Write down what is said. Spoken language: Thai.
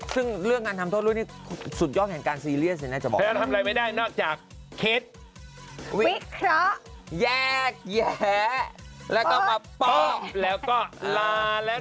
ซึ่งเรื่องการทำโทษลูกนี่สุดยอดแห่งการซีเรียสสิน่าจะบอก